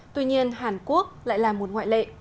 tuy nhiên hàn quốc lại là một ngoại lệ